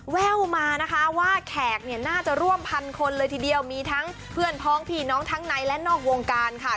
แว่วมานะคะว่าแขกเนี่ยน่าจะร่วมพันคนเลยทีเดียวมีทั้งเพื่อนพ้องพี่น้องทั้งในและนอกวงการค่ะ